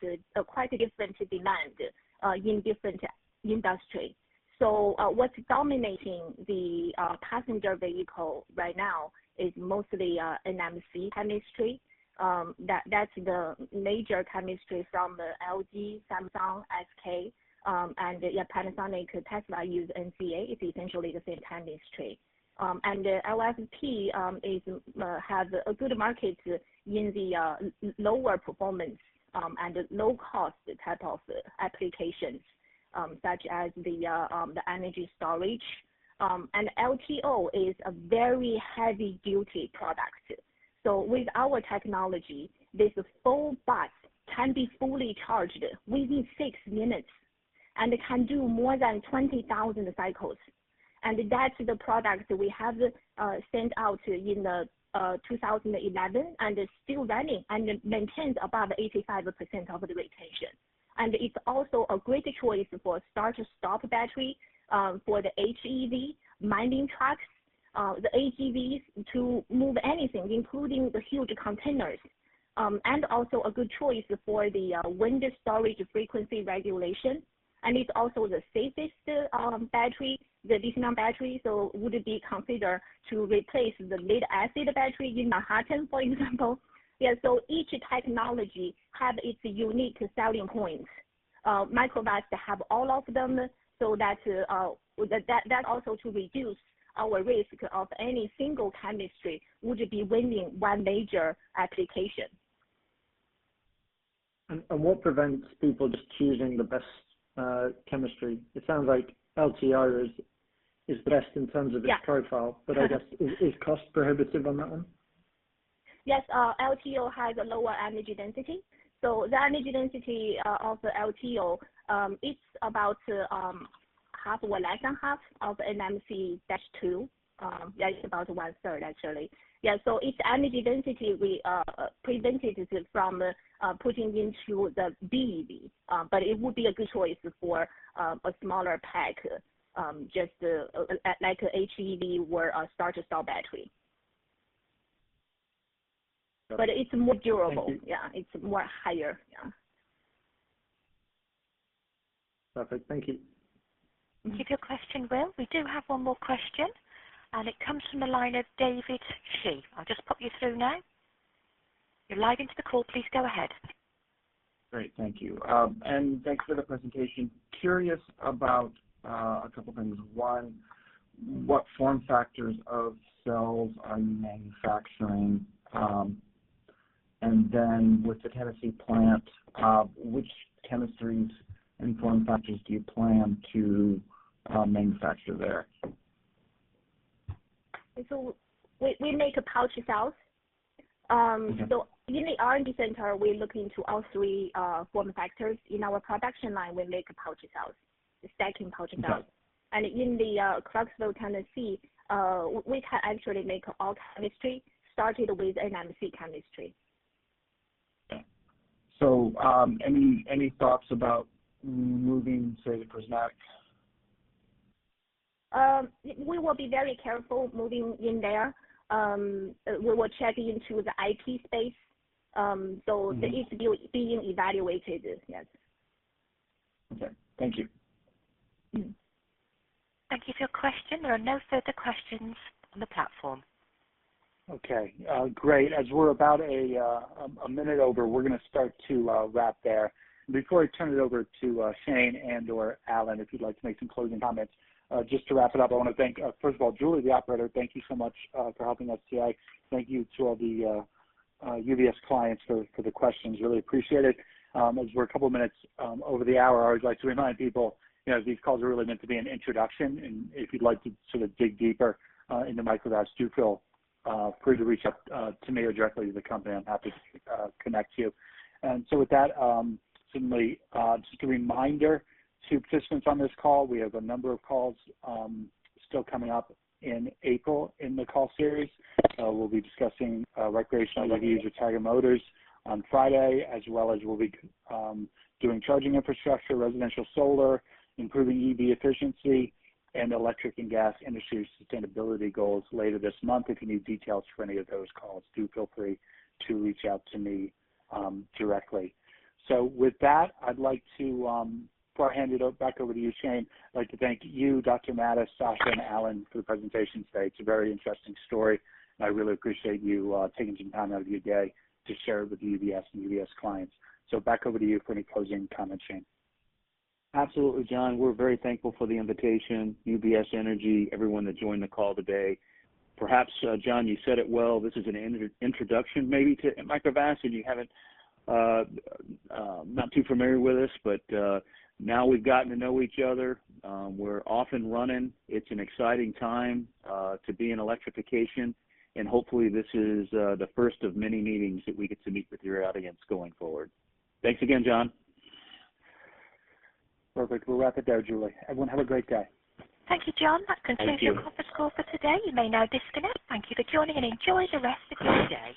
[SPEAKER 5] quite a different demand in different industry. What's dominating the passenger vehicle right now is mostly NMC chemistry. That's the major chemistry from the LG, Samsung, SK. Yeah, Panasonic, Tesla use NCA. It's essentially the same chemistry. LFP has a good market in the lower performance, and low-cost type of applications, such as the energy storage. LTO is a very heavy duty product. With our technology, this whole bus can be fully charged within six minutes and it can do more than 20,000 cycles. That's the product we have sent out in 2011, and it's still running and maintains about 85% of the retention. It's also a great choice for start-stop battery for the HEV mining trucks, the AGVs to move anything including the huge containers. Also a good choice for the wind storage frequency regulation. It's also the safest battery, the lithium battery. Would it be considered to replace the lead acid battery in Manhattan, for example. Each technology have its unique selling points. Microvast have all of them, that also to reduce our risk of any single chemistry would be winning one major application.
[SPEAKER 9] What prevents people just choosing the best chemistry? It sounds like LTO is best in terms of its profile.
[SPEAKER 5] Yeah.
[SPEAKER 9] I guess is cost prohibitive on that one?
[SPEAKER 5] Yes. LTO has a lower energy density. The energy density of the LTO, it's about less than half of NMC-2. Yeah, it's about one third actually. Yeah, its energy density prevented it from putting into the BEV. It would be a good choice for a smaller pack, just like a HEV or a start to stop battery. It's more durable.
[SPEAKER 9] Thank you.
[SPEAKER 5] Yeah, it's more higher. Yeah.
[SPEAKER 9] Perfect. Thank you.
[SPEAKER 1] Thank you for your question, Will. We do have one more question, and it comes from the line of David Shi]. I'll just pop you through now. You're live into the call. Please go ahead.
[SPEAKER 10] Great. Thank you. Thanks for the presentation. Curious about a couple things. One, what form factors of cells are you manufacturing? With the Tennessee plant, which chemistries and form factors do you plan to manufacture there?
[SPEAKER 5] We make pouch cells.
[SPEAKER 10] Okay.
[SPEAKER 5] In the R&D center, we look into all three form factors. In our production line, we make pouch cells, the stacking pouch cells.
[SPEAKER 10] Okay.
[SPEAKER 5] In the Clarksville, Tennessee, we can actually make all chemistry starting with NMC chemistry.
[SPEAKER 10] Any thoughts about moving, say, the prismatic?
[SPEAKER 5] We will be very careful moving in there. We will check into the IP space. That is being evaluated, yes.
[SPEAKER 10] Okay. Thank you.
[SPEAKER 1] Thank you for your question. There are no further questions on the platform.
[SPEAKER 2] Okay. Great. As we're about a minute over, we're going to start to wrap there. before I turn it over to Shane and/or Alan, if you'd like to make some closing comments. Just to wrap it up, I want to thank, first of all, Julie, the operator, thank you so much for helping us today. Thank you to all the UBS clients for the questions. Really appreciate it. As we're a couple of minutes over the hour, I always like to remind people, these calls are really meant to be an introduction, and if you'd like to sort of dig deeper into Microvast, do feel free to reach out to me or directly to the company. I'm happy to connect you. with that, similarly, just a reminder to participants on this call, we have a number of calls still coming up in April in the call series. We'll be discussing recreational EVs with Taiga Motors on Friday, as well as we'll be doing charging infrastructure, residential solar, improving EV efficiency, and electric and gas industry sustainability goals later this month. If you need details for any of those calls, do feel free to reach out to me directly. With that, I'd like to hand it back over to you, Shane. I'd like to thank you, Dr. Mattis, Sascha, and Alan for the presentation today. It's a very interesting story, and I really appreciate you taking some time out of your day to share with UBS and UBS clients. Back over to you for any closing comments, Shane.
[SPEAKER 4] Absolutely, Jon. We're very thankful for the invitation, UBS Energy, everyone that joined the call today. Perhaps, Jon, you said it well, this is an introduction maybe to Microvast. Not too familiar with us, but now we've gotten to know each other. We're off and running. It's an exciting time to be in electrification, and hopefully this is the first of many meetings that we get to meet with your audience going forward. Thanks again, Jon.
[SPEAKER 2] Perfect. We'll wrap it there, Julie. Everyone have a great day.
[SPEAKER 1] Thank you, Jon.
[SPEAKER 4] Thank you.
[SPEAKER 1] That concludes your conference call for today. You may now disconnect. Thank you for joining, and enjoy the rest of your day.